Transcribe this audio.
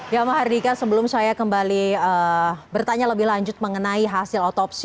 ya mahardika sebelum saya kembali bertanya lebih lanjut mengenai hasil otopsi